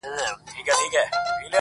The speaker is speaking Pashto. راته ازل ایستلي لاري پرېښودلای نه سم -